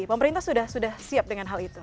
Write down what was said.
pemerintah sudah siap dengan hal itu